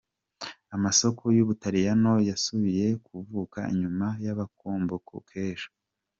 Amasoko y'Ubutaliyano yasubiye kuvyuka inyuma y'agahombo k'ejo.